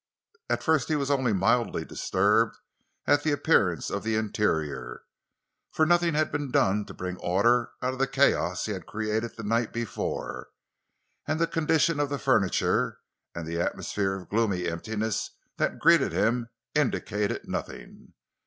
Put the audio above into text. At first he was only mildly disturbed at the appearance of the interior; for nothing had been done to bring order out of the chaos he had created the night before, and the condition of the furniture, and the atmosphere of gloomy emptiness that greeted him indicated nothing.